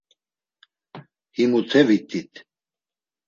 Himute vit̆it.